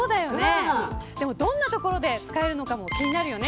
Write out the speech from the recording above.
でも、どんな所で使えるのかも気になるよね。